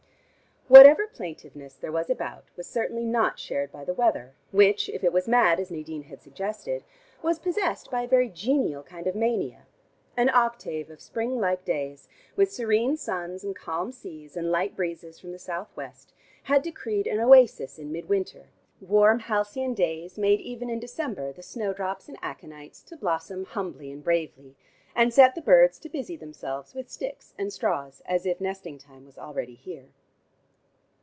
Whatever plaintiveness there was about, was certainly not shared by the weather, which, if it was mad, as Nadine had suggested, was possessed by a very genial kind of mania. An octave of spring like days, with serene suns, and calm seas, and light breezes from the southwest had decreed an oasis in midwinter, warm halcyon days made even in December the snowdrops and aconites to blossom humbly and bravely, and set the birds to busy themselves with sticks and straws as if nesting time was already here.